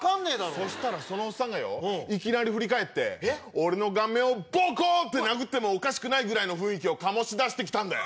そしたらそのおっさんがよいきなり振り返って俺の顔面をボコ！って殴ってもおかしくないぐらいの雰囲気を醸し出して来たんだよ。